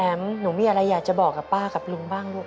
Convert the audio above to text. หนูมีอะไรอยากจะบอกกับป้ากับลุงบ้างลูก